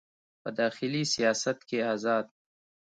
په داخلي سیاست کې ازاد